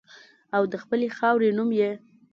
او د خپلې خاورې نوم یې